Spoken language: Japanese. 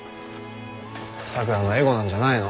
咲良のエゴなんじゃないの？